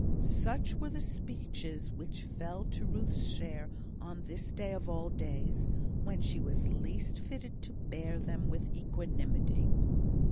Such were the speeches which fell to Ruth's share on this day of all days, when she was least fitted to bear them with equanimity.